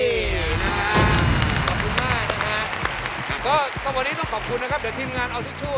คุณอาจจะได้มาเลือกคู่อยู่ในรายการนี้ก็ได้คุณอาจจะได้มาเลือกคู่อยู่ในรายการนี้ก็ได้